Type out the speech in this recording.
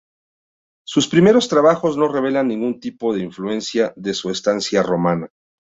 Sus primeros trabajos no revelan ningún tipo de influencia de su estancia romana.